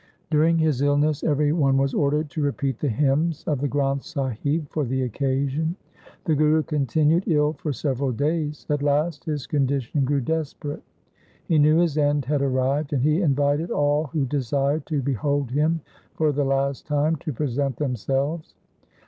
During his illness every one was ordered to repeat the hymns of the Granth Sahib for the occasion. The Guru continued ill for several days. At last his condition grew desperate. He knew his end had arrived, and he invited all who desired to behold him for the last time to present themselves.